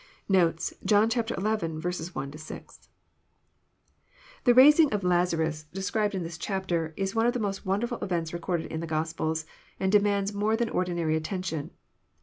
Notes. John XI. 1—6. The raising of Lazarus, described in this chapter, is one of the most wonderful events recorded in the Gospels, and de mands more than ordirary attention.